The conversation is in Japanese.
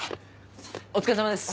お疲れさまです。